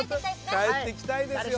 帰ってきたいですよ。